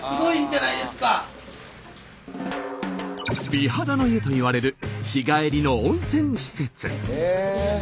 美肌の湯といわれる日帰りの温泉施設。